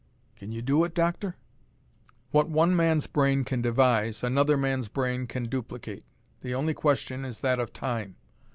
"Can you do it, Doctor?" "What one man's brain can device, another man's brain can duplicate. The only question is that of time.